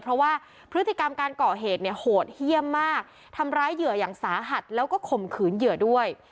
เพราะว่าพฤติกรรมการก่อเหตุเนี่ยโหดเยี่ยมมากทำร้ายเหยื่ออย่างสาหัสแล้วก็ข่มขืนเหยื่อด้วย